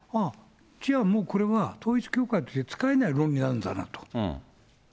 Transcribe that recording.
でも、逆に言えばね、ああ、じゃあもうこれは、統一教会として使えない論理なんだなと。